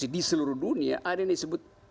di seluruh dunia ada yang disebut